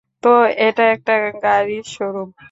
তো, এটা একটা গাড়ির শো-রুম।